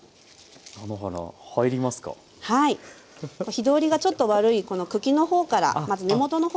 火通りがちょっと悪いこの茎の方からまず根元の方から入れて下さい。